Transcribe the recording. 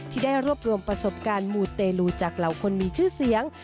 ที่ได้รวบรวมประสบการณ์มูเตลูจากเหล่าคนมีชื่อเสียง